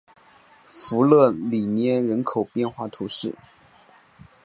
弗勒里涅人口变化图示